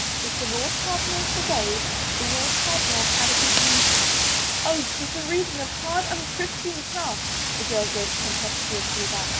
If the Lord Cardinal forbade, the Lord Cardinal had a good reason." " Oh, 'twas a reason of hard, unchristian craft !" the girl gave tempestuously back.